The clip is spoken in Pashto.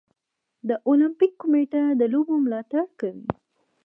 د المپیک کمیټه د لوبو ملاتړ کوي.